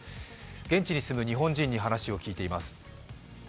現地に住む日本人に話を聞いています。